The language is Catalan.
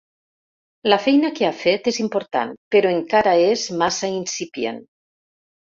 La feina que ha fet és important però encara és massa incipient.